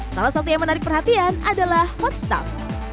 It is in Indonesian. salah satu yang menarik perhatian adalah hot stuff